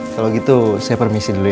kalau gitu saya permisi dulu